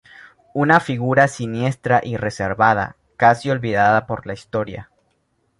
Una figura siniestra y reservada, casi olvidada por la historia.